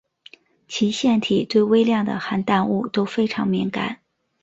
其腺体对微量的含氮物都非常敏感。